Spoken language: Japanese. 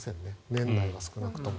年内は少なくとも。